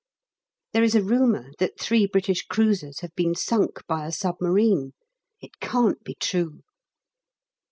There is a rumour that three British cruisers have been sunk by a submarine it can't be true.